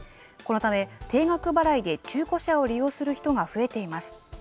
このため、定額払いで中古車を利用する人が増えています。